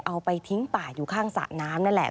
เอาไปทิ้งป่าอยู่ข้างสระน้ำนั่นแหละ